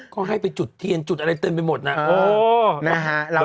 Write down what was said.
ก็ให้ไปจุดเทียนจุดอะไรเต็มไปหมดนะ